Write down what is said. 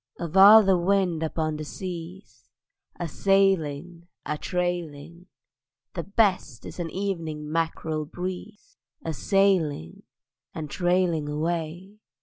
Of all the wind upon the seas, A sailing, a trailing; The best is an evening mackerel breeze: A sailing and trailing away.